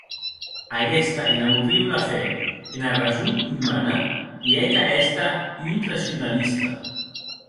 Aguesta inamovibla fe ena rason umana li hec a èster un racionalista.